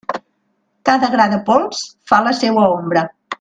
Cada gra de pols fa la seua ombra.